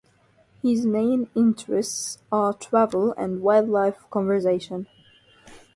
His main interests are travel and wildlife conservation.